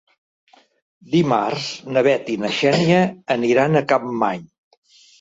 Dimarts na Bet i na Xènia aniran a Capmany.